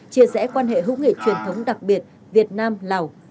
chia rẽ quan hệ hữu nghị truyền thống đặc biệt việt nam lào